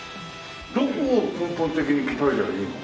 どこを根本的に鍛えりゃいいの？